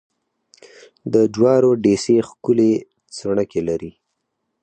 د جوارو ډېسې ښکلې څڼکې لري.